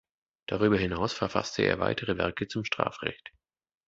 Darüber hinaus verfasste er weitere Werke zum Strafrecht.